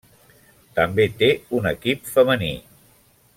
També té un equip femení.